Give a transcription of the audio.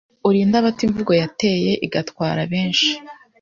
Urinde abato imvugo yateye igatwara benshi